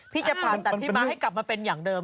พี่จะพาอันดับพี่มาให้กลับมาเป็นอย่างเดิม